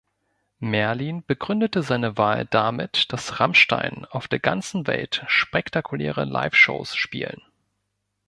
Merlin begründete seine Wahl damit, dass Rammstein „auf der ganzen Welt spektakuläre Live-Shows spielen“.